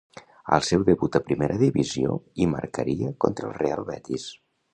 Al seu debut a primera divisió, hi marcaria contra el Real Betis.